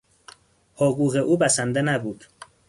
حقوق او بسنده نبود.